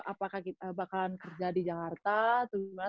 apakah kita bakal kerja di jakarta atau gimana